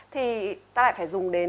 thì ta lại phải dùng đến